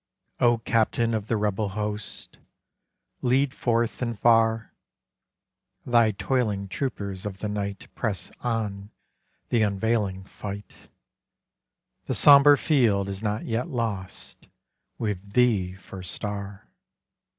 O captain of the rebel host, Lead forth and far! Thy toiling troopers of the night Press on the unavailing fight; The sombre field is not yet lost, With thee for star.